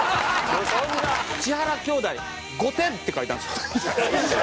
千原兄弟「５点」って書いたんですよ。